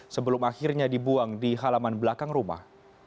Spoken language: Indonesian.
sebelum akhirnya dibuang di halaman belakang rumah